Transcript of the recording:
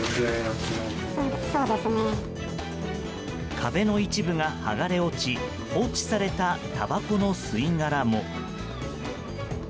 壁の一部が剥がれ落ち放置された、たばこの吸い殻も。